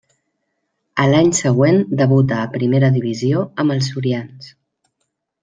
A l'any següent debuta a primera divisió amb els sorians.